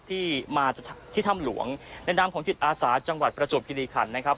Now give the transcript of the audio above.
ที่มาที่ถ้ำหลวงในนามของจิตอาสาจังหวัดประจวบคิริขันนะครับ